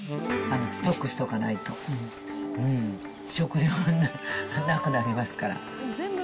ストックしとかないと、食料がなくなりますから。